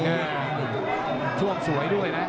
กล้อมสวยด้วยนะ